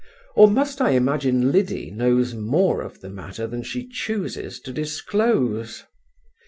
or must I imagine Liddy knows more of the matter than she chuses to disclose?